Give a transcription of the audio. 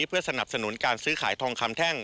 เพื่อสนับสนุนการซื้อขายทองคำแท่ง